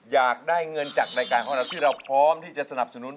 อยากได้เงินจากรายการของเราที่เราพร้อมที่จะสนับสนุน